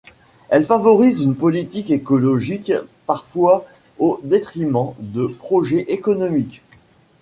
Elle favorise une politique écologique, parfois au détriment de projets économiques.